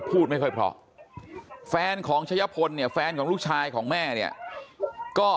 พูดไม่ค่อยเพราะแฟนของชะยะพลเนี่ยแฟนของลูกชายของแม่เนี่ยก็